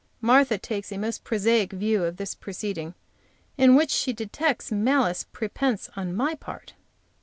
Martha takes a most prosaic view of this proceeding, in which she detects malice prepense on my part.